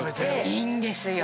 いいんですよ。